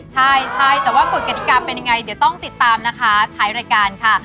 ใช่ใช่แต่ว่ากฎกติกาเป็นยังไงเดี๋ยวต้องติดตามนะคะท้ายรายการค่ะ